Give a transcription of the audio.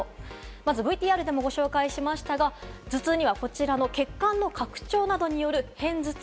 まずＶＴＲでもご紹介しましたが、頭痛にはこちらの血管の拡張などによる片頭痛。